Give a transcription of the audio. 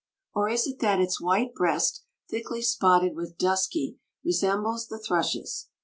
Or is it that its white breast, thickly spotted with dusky, resembles the thrush's?